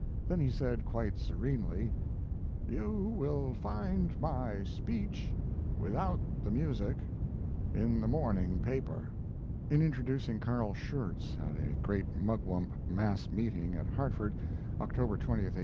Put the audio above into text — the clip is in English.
Then he said, quite serenely: "You will find my speech, without the music, in the morning paper." In introducing Carl Schurz at a great mugwump mass meeting at Hartford, October 20, 1884.